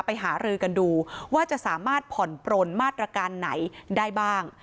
หารือกันดูว่าจะสามารถผ่อนปลนมาตรการไหนได้บ้าง